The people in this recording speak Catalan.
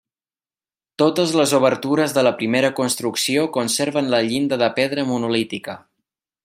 Totes les obertures de la primera construcció conserven la llinda de pedra monolítica.